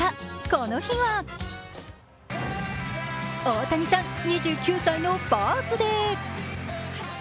この日は大谷さん、２９歳のバースデー。